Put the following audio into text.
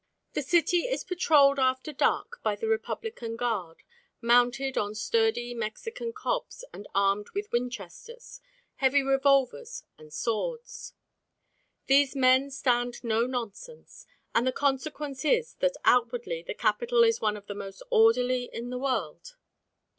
The city is patrolled after dark by the Republican Guard, mounted on sturdy Mexican cobs and armed with Winchesters, heavy revolvers, and swords. These men stand no nonsense, and the consequence is that outwardly the capital is one of the most orderly in the world.